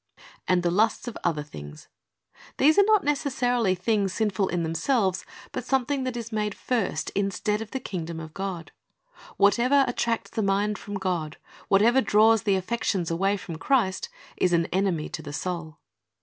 "' "And the lusts of other things." These are not neces sarily things sinful in themselves, but something that is made first instead of the kingdom of God. Whatever attracts the mind from God, whatever draws the affections away from Christ, is an enemy to the soul.